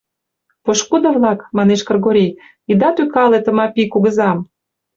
— Пошкудо-влак, — манеш Кыргорий, — ида тӱкале Тымапи кугызам.